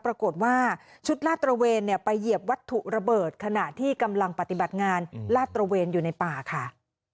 ปรากฏว่าชุดลาดตระเวนเนี่ยไปเหยียบวัตถุระเบิดขณะที่กำลังปฏิบัติงานลาดตระเวนอยู่ในป่าค่ะ